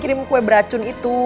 kirim kue beracun itu